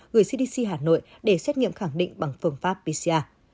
gửi cdc hà nội để xét nghiệm khẳng định bằng phương pháp pcr